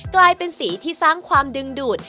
กลายเป็นสีที่สร้างความดึงดูด